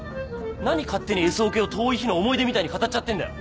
何勝手にＳオケを遠い日の思い出みたいに語っちゃってんだよ！？